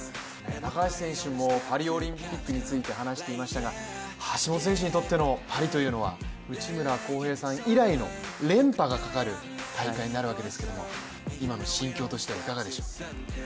高橋選手もパリオリンピックについて話していましたが、橋本選手にとってのパリというのは、内村航平選手以来の連覇がかかる大会になるわけですけれども今の心境としてはいかがでしょうか。